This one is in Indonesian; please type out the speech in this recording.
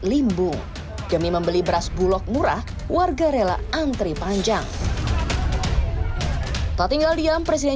limbung demi membeli beras bulog murah warga rela antri panjang tak tinggal diam presiden